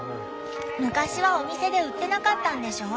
昔はお店で売ってなかったんでしょ？